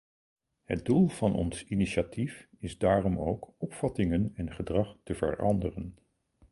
Het doel van ons initiatief is daarom ook opvattingen en gedrag te veranderen.